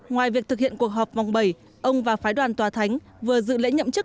ngoài việc thực hiện cuộc họp vòng bảy ông và phái đoàn tòa thánh vừa dự lễ nhậm chức